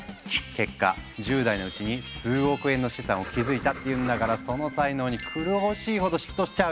結果１０代のうちに数億円の資産を築いたっていうんだからその才能に狂おしいほど嫉妬しちゃうよね！